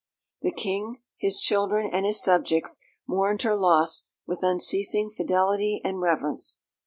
The King, his children, and his subjects mourned her loss with unceasing fidelity and reverence.